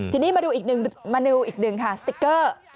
ทีนี้มาดูอีกหนึ่งเมนูอีกหนึ่งค่ะสติ๊กเกอร์